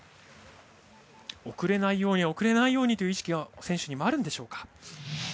遅れないように遅れないようにという意識が選手にもあるでしょうか。